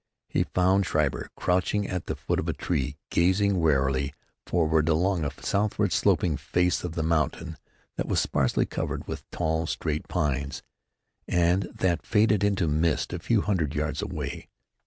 He found Schreiber crouching at the foot of a tree, gazing warily forward along a southward sloping face of the mountain that was sparsely covered with tall, straight pines, and that faded into mist a few hundred yards away.